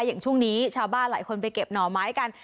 อย่างช่วงนี้ชาวบ้านหลายคนไปเก็บหน่อไม้กัน